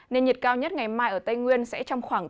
nên nhiệt cao nhất ngày mai ở tây nguyên sẽ trong khoảng